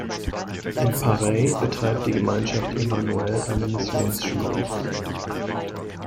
In Paray betreibt die Gemeinschaft Emmanuel eine Missionsschule.